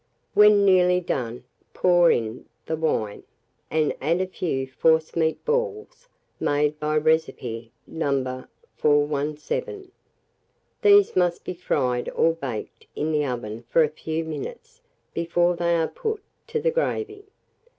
When nearly done, pour in the wine, and add a few forcemeat balls, made by recipe No. 417: these must be fried or baked in the oven for a few minutes before they are put to the gravy.